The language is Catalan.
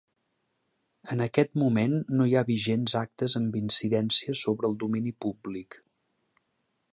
En aquest moment no hi ha vigents actes amb incidència sobre el domini públic.